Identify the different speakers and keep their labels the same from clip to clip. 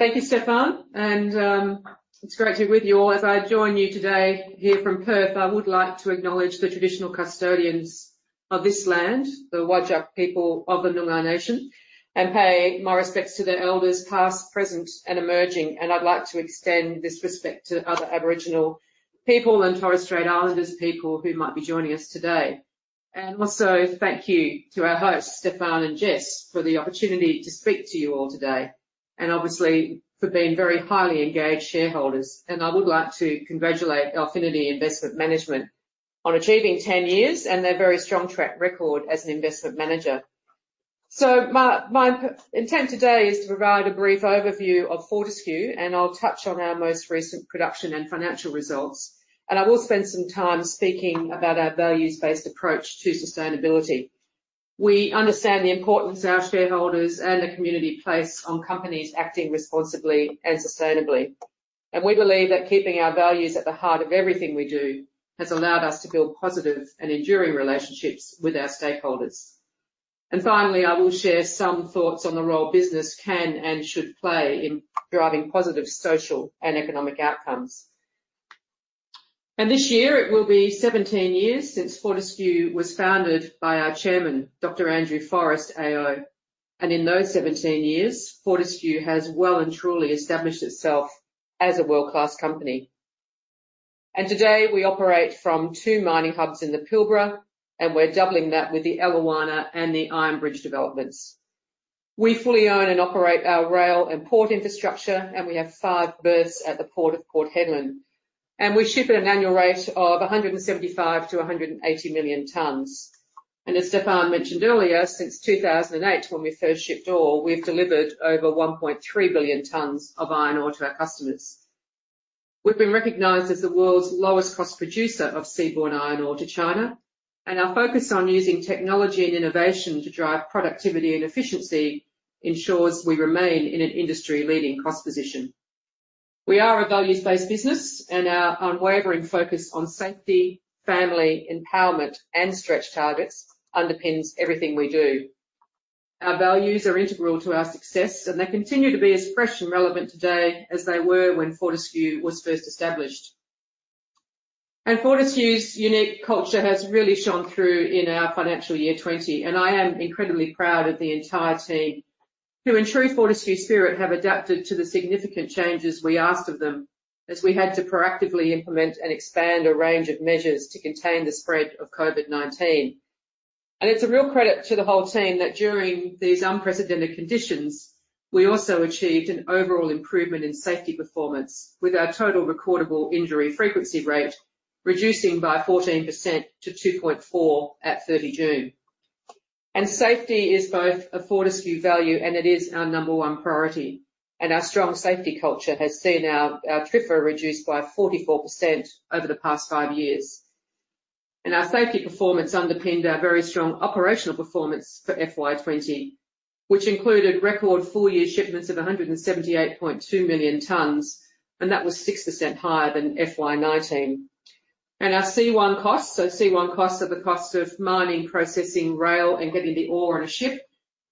Speaker 1: Thank you, Stefan. It's great to be with you all. As I join you today here from Perth, I would like to acknowledge the traditional custodians of this land, the Wadjuk people of the Noongar Nation, and pay my respects to their elders, past, present, and emerging. I'd like to extend this respect to other Aboriginal people and Torres Strait Islander people who might be joining us today. Thank you to our hosts, Stefan and Jess, for the opportunity to speak to you all today, and obviously for being very highly engaged shareholders. I would like to congratulate Alphinity Investment Management on achieving 10 years and their very strong track record as an investment manager. My intent today is to provide a brief overview of Fortescue, and I'll touch on our most recent production and financial results. I will spend some time speaking about our values-based approach to sustainability. We understand the importance our shareholders and the community place on companies acting responsibly and sustainably. We believe that keeping our values at the heart of everything we do has allowed us to build positive and enduring relationships with our stakeholders. Finally, I will share some thoughts on the role business can and should play in driving positive social and economic outcomes. This year, it will be 17 years since Fortescue was founded by our Chairman, Dr. Andrew Forrest, AO. In those 17 years, Fortescue has well and truly established itself as a world-class company. Today, we operate from two mining hubs in the Pilbara, and we are doubling that with the Eliwana and the Iron Bridge developments. We fully own and operate our rail and port infrastructure, and we have five berths at the port of Port Hedland. We ship at an annual rate of 175-180 million tons. As Stefan mentioned earlier, since 2008, when we first shipped iron ore, we have delivered over 1.3 billion tons of iron ore to our customers. We have been recognized as the world's lowest cost producer of seaborne iron ore to China, and our focus on using technology and innovation to drive productivity and efficiency ensures we remain in an industry-leading cost position. We are a values-based business, and our unwavering focus on safety, family, empowerment, and stretch targets underpins everything we do. Our values are integral to our success, and they continue to be as fresh and relevant today as they were when Fortescue was first established. Fortescue's unique culture has really shone through in our financial year 2020, and I am incredibly proud of the entire team who, in true Fortescue spirit, have adapted to the significant changes we asked of them as we had to proactively implement and expand a range of measures to contain the spread of COVID-19. It is a real credit to the whole team that during these unprecedented conditions, we also achieved an overall improvement in safety performance, with our total recordable injury frequency rate reducing by 14% to 2.4% at 30th June. Safety is both a Fortescue value, and it is our number one priority. Our strong safety culture has seen our TRIFR reduced by 44% over the past five years. Our safety performance underpinned our very strong operational performance for FY 2020, which included record full-year shipments of 178.2 million tons, 6% higher than FY 2019. Our C1 costs, so C1 costs are the cost of mining, processing, rail, and getting the ore on a ship.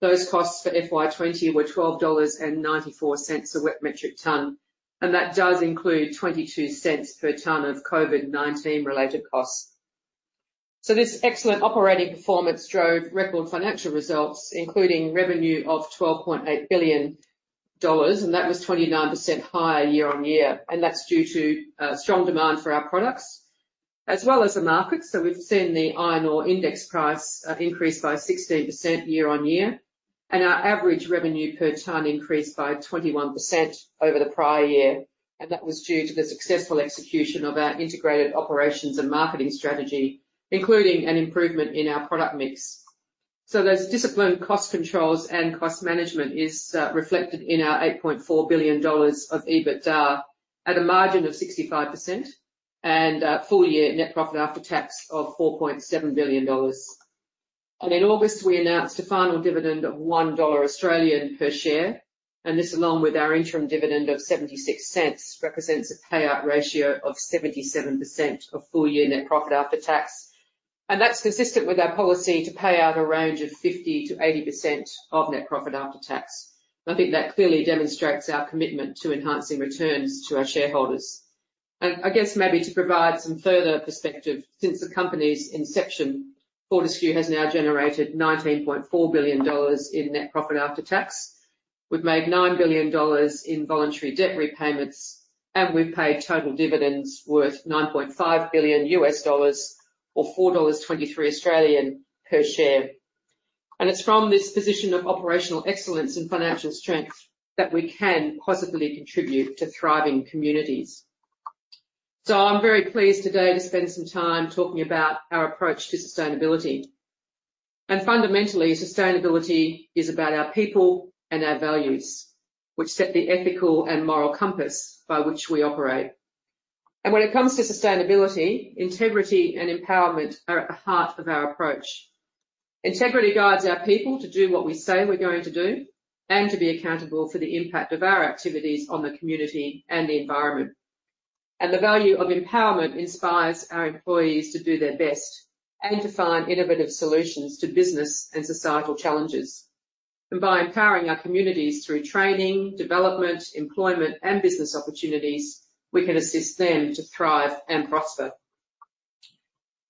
Speaker 1: Those costs for FY 2020 were 12.94 dollars a wet metric ton, and that does include 0.22 per ton of COVID-19-related costs. This excellent operating performance drove record financial results, including revenue of 12.8 billion dollars, 29% higher year-on-year. That is due to strong demand for our products as well as the market. We have seen the iron ore index price increase by 16% year-on-year, and our average revenue per ton increased by 21% over the prior year. That was due to the successful execution of our integrated operations and marketing strategy, including an improvement in our product mix. Those disciplined cost controls and cost management are reflected in our 8.4 billion dollars of EBITDA at a margin of 65% and a full-year net profit after tax of 4.7 billion dollars. In August, we announced a final dividend of 1 Australian dollar per share, and this, along with our interim dividend of 0.76, represents a payout ratio of 77% of full-year net profit after tax. That is consistent with our policy to pay out a range of 50%-80% of net profit after tax. I think that clearly demonstrates our commitment to enhancing returns to our shareholders. I guess maybe to provide some further perspective, since the company's inception, Fortescue has now generated 19.4 billion dollars in net profit after tax. We've made 9 billion dollars in voluntary debt repayments, and we've paid total dividends worth AUD 9.5 billion or 4.23 Australian dollars per share. It is from this position of operational excellence and financial strength that we can positively contribute to thriving communities. I am very pleased today to spend some time talking about our approach to sustainability. Fundamentally, sustainability is about our people and our values, which set the ethical and moral compass by which we operate. When it comes to sustainability, integrity and empowerment are at the heart of our approach. Integrity guides our people to do what we say we're going to do and to be accountable for the impact of our activities on the community and the environment. The value of empowerment inspires our employees to do their best and to find innovative solutions to business and societal challenges. By empowering our communities through training, development, employment, and business opportunities, we can assist them to thrive and prosper.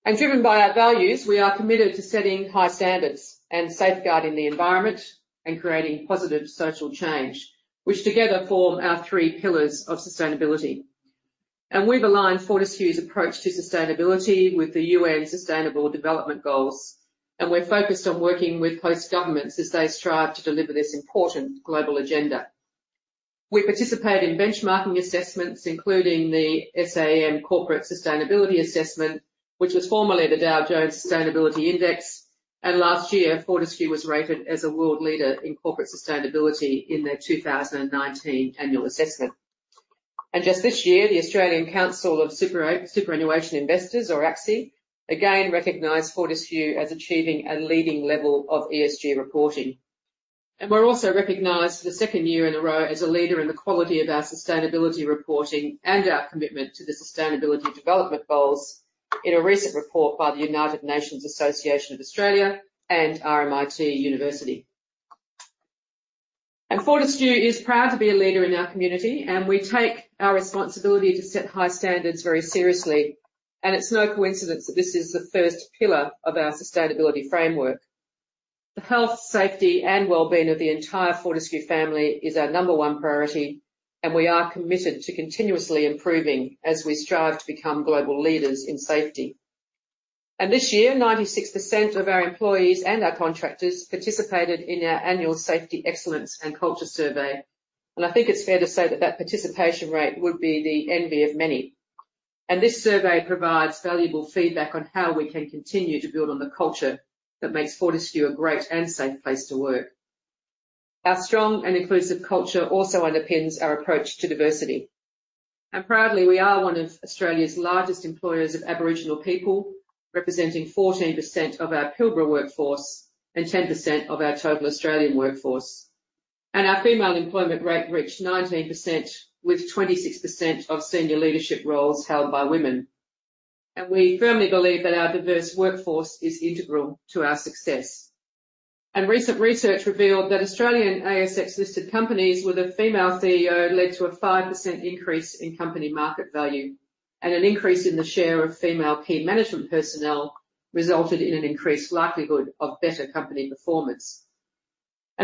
Speaker 1: Driven by our values, we are committed to setting high standards and safeguarding the environment and creating positive social change, which together form our three pillars of sustainability. We have aligned Fortescue's approach to sustainability with the UN Sustainable Development Goals, and we are focused on working with host governments as they strive to deliver this important global agenda. We participate in benchmarking assessments, including the SAM Corporate Sustainability Assessment, which was formerly the Dow Jones Sustainability Index. Last year, Fortescue was rated as a world leader in corporate sustainability in their 2019 annual assessment. Just this year, the Australian Council of Superannuation Investors, or ACSI, again recognized Fortescue as achieving a leading level of ESG reporting. We are also recognized for the second year in a row as a leader in the quality of our sustainability reporting and our commitment to the Sustainability Development Goals in a recent report by the United Nations Association of Australia and RMIT University. Fortescue is proud to be a leader in our community, and we take our responsibility to set high standards very seriously. It is no coincidence that this is the first pillar of our sustainability framework. The health, safety, and well-being of the entire Fortescue family is our number one priority, and we are committed to continuously improving as we strive to become global leaders in safety. This year, 96% of our employees and our contractors participated in our annual Safety Excellence and Culture Survey. I think it is fair to say that that participation rate would be the envy of many. This survey provides valuable feedback on how we can continue to build on the culture that makes Fortescue a great and safe place to work. Our strong and inclusive culture also underpins our approach to diversity. Proudly, we are one of Australia's largest employers of Aboriginal people, representing 14% of our Pilbara workforce and 10% of our total Australian workforce. Our female employment rate reached 19%, with 26% of senior leadership roles held by women. We firmly believe that our diverse workforce is integral to our success. Recent research revealed that Australian ASX-listed companies with a female CEO led to a 5% increase in company market value, and an increase in the share of female key management personnel resulted in an increased likelihood of better company performance.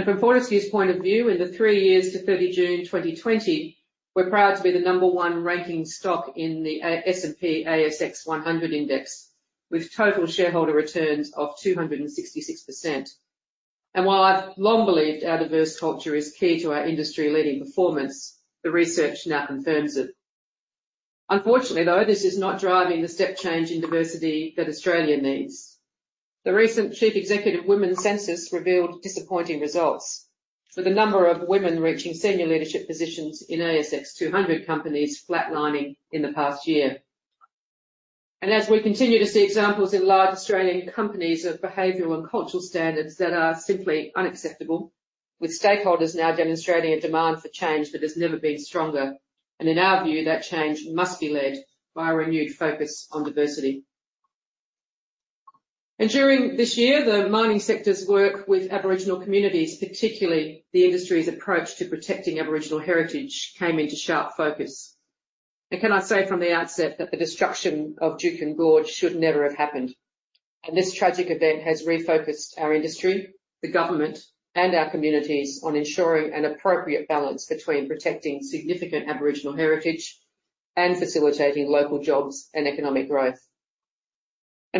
Speaker 1: From Fortescue's point of view, in the three years to 30 June 2020, we're proud to be the number one ranking stock in the S&P ASX 100 index, with total shareholder returns of 266%. While I've long believed our diverse culture is key to our industry-leading performance, the research now confirms it. Unfortunately, though, this is not driving the step change in diversity that Australia needs. The recent Chief Executive Women Census revealed disappointing results, with the number of women reaching senior leadership positions in ASX 200 companies flatlining in the past year. As we continue to see examples in large Australian companies of behavioral and cultural standards that are simply unacceptable, stakeholders are now demonstrating a demand for change that has never been stronger. In our view, that change must be led by a renewed focus on diversity. During this year, the mining sector's work with Aboriginal communities, particularly the industry's approach to protecting Aboriginal heritage, came into sharp focus. Can I say from the outset that the destruction of Juukan Gorge should never have happened? This tragic event has refocused our industry, the government, and our communities on ensuring an appropriate balance between protecting significant Aboriginal heritage and facilitating local jobs and economic growth.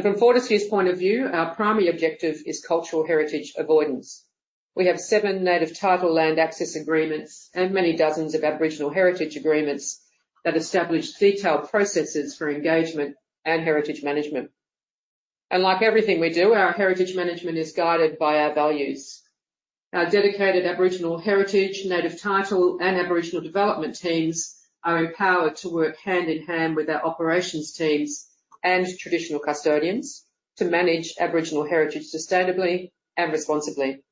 Speaker 1: From Fortescue's point of view, our primary objective is cultural heritage avoidance. We have seven Native Title land access agreements and many dozens of Aboriginal Heritage Agreements that establish detailed processes for engagement and heritage management. Like everything we do, our heritage management is guided by our values. Our dedicated Aboriginal heritage, Native Title, and Aboriginal development teams are empowered to work hand-in-hand with our operations teams and traditional custodians to manage Aboriginal heritage sustainably and responsibly.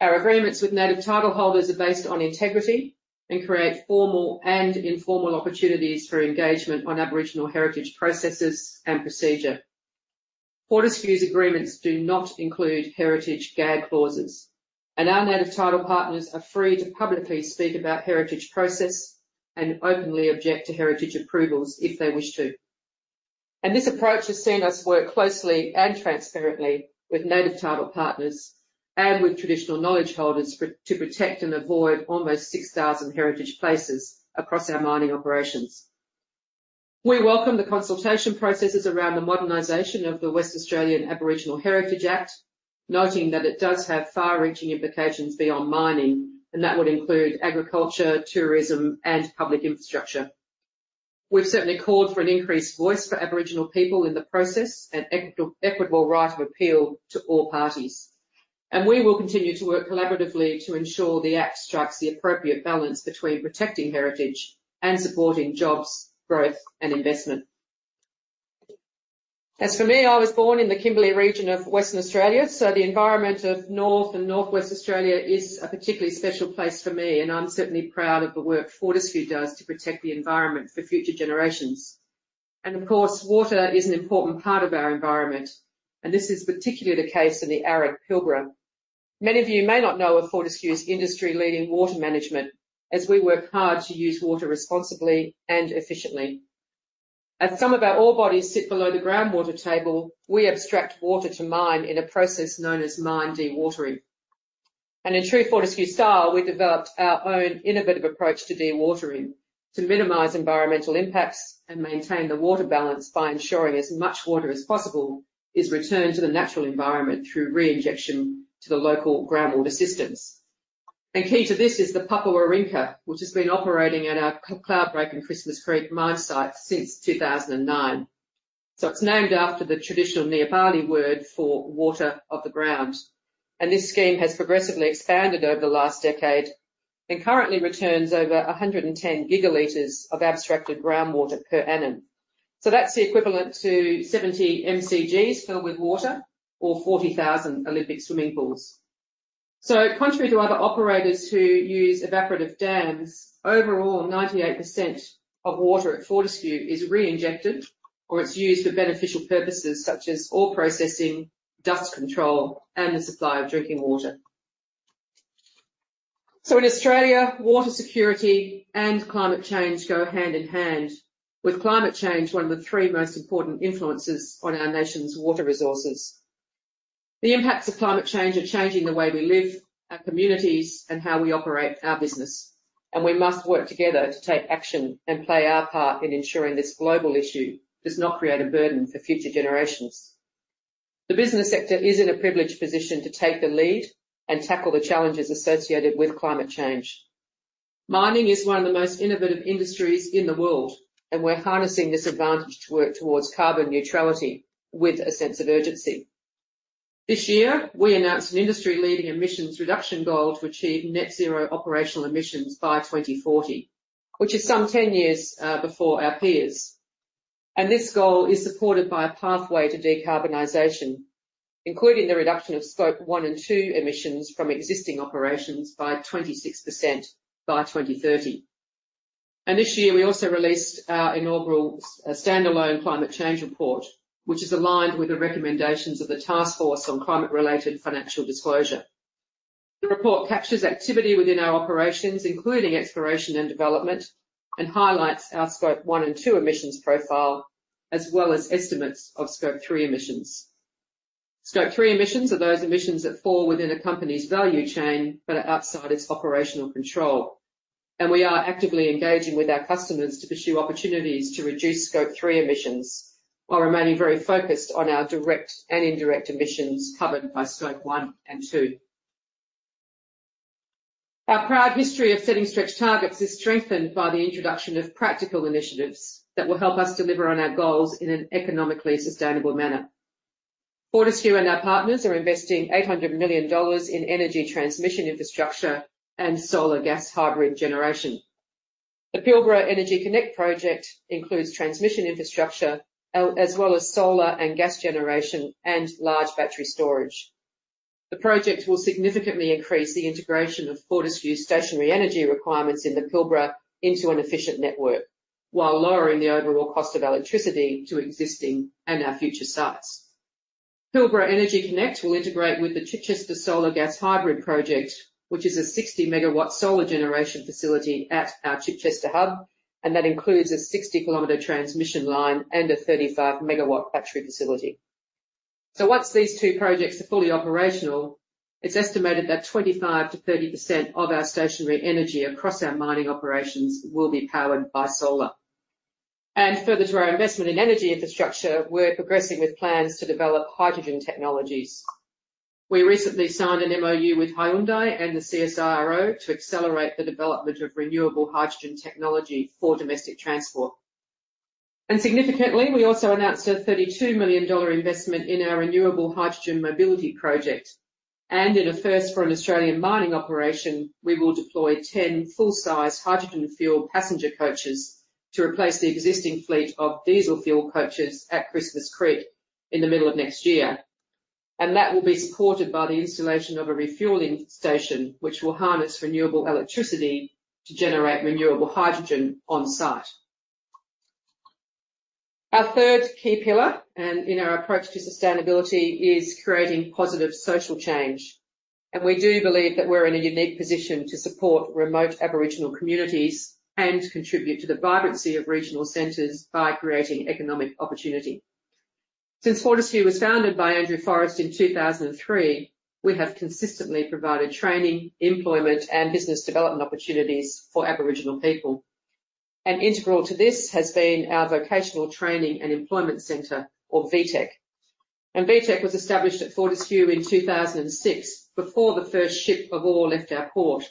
Speaker 1: Our agreements with Native Title holders are based on integrity and create formal and informal opportunities for engagement on Aboriginal heritage processes and procedure. Fortescue's agreements do not include heritage GAD clauses, and our Native Title partners are free to publicly speak about heritage process and openly object to heritage approvals if they wish to. This approach has seen us work closely and transparently with Native Title partners and with traditional knowledge holders to protect and avoid almost 6,000 heritage places across our mining operations. We welcome the consultation processes around the modernisation of the Western Australian Aboriginal Heritage Act, noting that it does have far-reaching implications beyond mining, and that would include agriculture, tourism, and public infrastructure. We have certainly called for an increased voice for Aboriginal people in the process and equitable right of appeal to all parties. We will continue to work collaboratively to ensure the act strikes the appropriate balance between protecting heritage and supporting jobs, growth, and investment. As for me, I was born in the Kimberley region of Western Australia, so the environment of North and Northwest Australia is a particularly special place for me, and I am certainly proud of the work Fortescue does to protect the environment for future generations. Of course, water is an important part of our environment, and this is particularly the case in the Pilbara. Many of you may not know of Fortescue's industry-leading water management, as we work hard to use water responsibly and efficiently. As some of our ore bodies sit below the groundwater table, we abstract water to mine in a process known as mine dewatering. In true Fortescue style, we developed our own innovative approach to dewatering to minimize environmental impacts and maintain the water balance by ensuring as much water as possible is returned to the natural environment through re-injection to the local groundwater systems. Key to this is the Papua Rinka, which has been operating at our Cloudbreak and Christmas Creek mine site since 2009. It is named after the traditional Nea Bali word for water of the ground. This scheme has progressively expanded over the last decade and currently returns over 110 GL of abstracted groundwater per annum. That is the equivalent to 70 MCGs filled with water or 40,000 Olympic swimming pools. Contrary to other operators who use evaporative dams, overall 98% of water at Fortescue is re-injected, or it's used for beneficial purposes such as ore processing, dust control, and the supply of drinking water. In Australia, water security and climate change go hand-in-hand, with climate change one of the three most important influences on our nation's water resources. The impacts of climate change are changing the way we live, our communities, and how we operate our business. We must work together to take action and play our part in ensuring this global issue does not create a burden for future generations. The business sector is in a privileged position to take the lead and tackle the challenges associated with climate change. Mining is one of the most innovative industries in the world, and we're harnessing this advantage to work towards carbon neutrality with a sense of urgency. This year, we announced an industry-leading emissions reduction goal to achieve net zero operational emissions by 2040, which is some 10 years before our peers. This goal is supported by a pathway to decarbonisation, including the reduction of Scope 1 and 2 emissions from existing operations by 26% by 2030. This year, we also released our inaugural standalone climate change report, which is aligned with the recommendations of the Task Force on Climate-related Financial Disclosure. The report captures activity within our operations, including exploration and development, and highlights our Scope 1 and 2 emissions profile, as well as estimates of Scope 3 emissions. Scope 3 emissions are those emissions that fall within a company's value chain but are outside its operational control. We are actively engaging with our customers to pursue opportunities to reduce Scope 3 emissions while remaining very focused on our direct and indirect emissions covered by Scope 1 and 2. Our proud history of setting stretch targets is strengthened by the introduction of practical initiatives that will help us deliver on our goals in an economically sustainable manner. Fortescue and our partners are investing 800 million dollars in energy transmission infrastructure and solar gas hybrid generation. The Pilbara Energy Connect project includes transmission infrastructure as well as solar and gas generation and large battery storage. The project will significantly increase the integration of Fortescue's stationary energy requirements in the Pilbara into an efficient network, while lowering the overall cost of electricity to existing and our future sites. Pilbara Energy Connect will integrate with the Chichester Solar Gas Hybrid Project, which is a 60-megawatt solar generation facility at our Chichester Hub, and that includes a 60-kilometre transmission line and a 35 MW battery facility. Once these two projects are fully operational, it's estimated that 25%-30% of our stationary energy across our mining operations will be powered by solar. Further to our investment in energy infrastructure, we're progressing with plans to develop hydrogen technologies. We recently signed an MoU with Hyundai and the CSIRO to accelerate the development of renewable hydrogen technology for domestic transport. Significantly, we also announced an AUD 32 million investment in our renewable hydrogen mobility project. In a first for an Australian mining operation, we will deploy 10 full-size hydrogen-fueled passenger coaches to replace the existing fleet of diesel-fueled coaches at Christmas Creek in the middle of next year. That will be supported by the installation of a refuelling station, which will harness renewable electricity to generate renewable hydrogen on site. Our third key pillar in our approach to sustainability is creating positive social change. We do believe that we are in a unique position to support remote Aboriginal communities and contribute to the vibrancy of regional centres by creating economic opportunity. Since Fortescue was founded by Andrew Forrest in 2003, we have consistently provided training, employment, and business development opportunities for Aboriginal people. Integral to this has been our Vocational Training and Employment Centre, or VTEC. VTEC was established at Fortescue in 2006, before the first ship of iron ore left our port.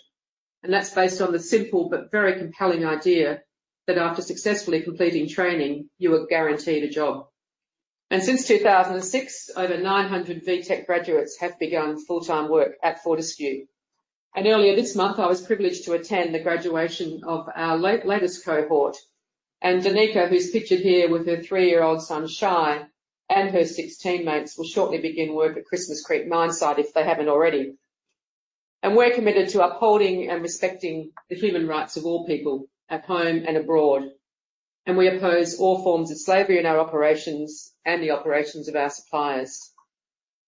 Speaker 1: That is based on the simple but very compelling idea that after successfully completing training, you are guaranteed a job. Since 2006, over 900 VTEC graduates have begun full-time work at Fortescue. Earlier this month, I was privileged to attend the graduation of our latest cohort. Danika, who's pictured here with her three-year-old son, Shai, and her six teammates will shortly begin work at Christmas Creek mine site if they haven't already. We are committed to upholding and respecting the human rights of all people at home and abroad. We oppose all forms of slavery in our operations and the operations of our suppliers.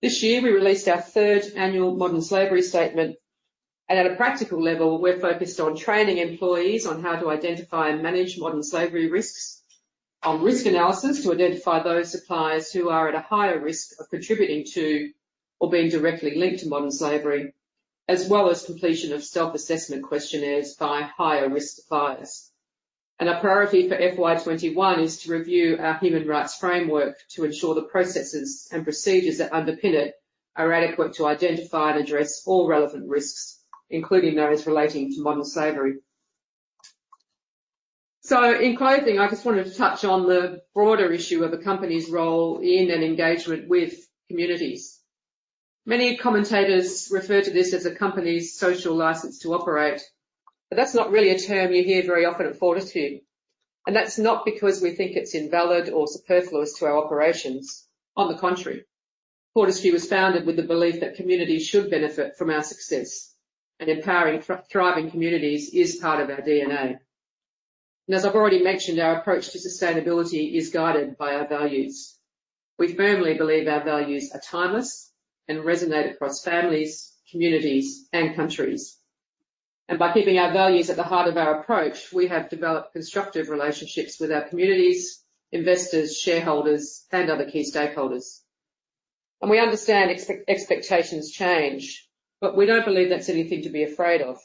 Speaker 1: This year, we released our third annual Modern Slavery Statement. At a practical level, we are focused on training employees on how to identify and manage Modern Slavery risks, on risk analysis to identify those suppliers who are at a higher risk of contributing to or being directly linked to Modern Slavery, as well as completion of self-assessment questionnaires by higher-risk suppliers. Our priority for FY 2021 is to review our human rights framework to ensure the processes and procedures that underpin it are adequate to identify and address all relevant risks, including those relating to Modern Slavery. In closing, I just wanted to touch on the broader issue of a company's role in and engagement with communities. Many commentators refer to this as a company's social licence to operate, but that's not really a term you hear very often at Fortescue. That's not because we think it's invalid or superfluous to our operations. On the contrary, Fortescue was founded with the belief that communities should benefit from our success, and empowering thriving communities is part of our DNA. As I've already mentioned, our approach to sustainability is guided by our values. We firmly believe our values are timeless and resonate across families, communities, and countries. By keeping our values at the heart of our approach, we have developed constructive relationships with our communities, investors, shareholders, and other key stakeholders. We understand expectations change, but we do not believe that is anything to be afraid of,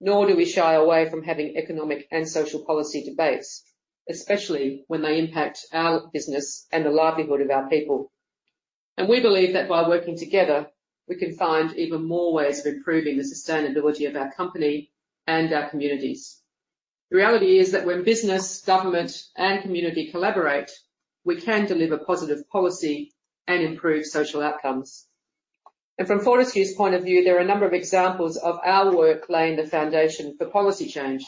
Speaker 1: nor do we shy away from having economic and social policy debates, especially when they impact our business and the livelihood of our people. We believe that by working together, we can find even more ways of improving the sustainability of our company and our communities. The reality is that when business, government, and community collaborate, we can deliver positive policy and improve social outcomes. From Fortescue's point of view, there are a number of examples of our work laying the foundation for policy change.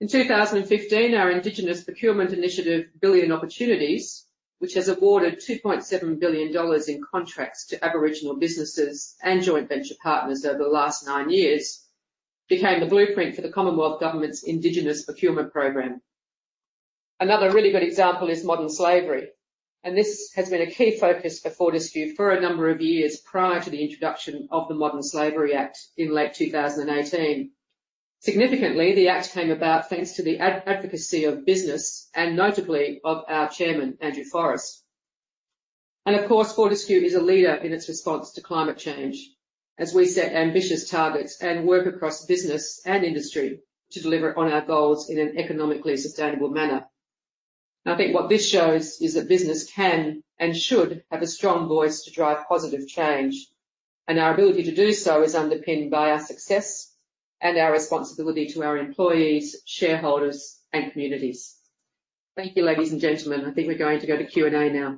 Speaker 1: In 2015, our Indigenous Procurement Initiative, Billion Opportunities, which has awarded 2.7 billion dollars in contracts to Aboriginal businesses and joint venture partners over the last nine years, became the blueprint for the Commonwealth Government's Indigenous Procurement Programme. Another really good example is modern slavery. This has been a key focus for Fortescue for a number of years prior to the introduction of the Modern Slavery Act in late 2018. Significantly, the Act came about thanks to the advocacy of business and notably of our Chairman, Andrew Forrest. Fortescue is a leader in its response to climate change, as we set ambitious targets and work across business and industry to deliver on our goals in an economically sustainable manner. I think what this shows is that business can and should have a strong voice to drive positive change. Our ability to do so is underpinned by our success and our responsibility to our employees, shareholders, and communities. Thank you, ladies and gentlemen. I think we're going to go to Q&A now.